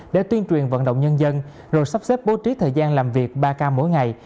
để tuyên truyền vận động nhân dân rồi sắp xếp bố trí thời gian làm việc ba k mỗi ngày